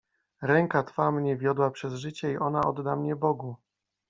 Ręka twa mnie wiodła przez życie i ona odda mnie Bogu.